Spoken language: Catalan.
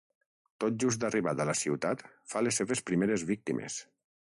Tot just arribat a la ciutat, fa les seves primeres víctimes.